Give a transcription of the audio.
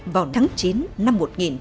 vào tháng chín năm một nghìn chín trăm bảy mươi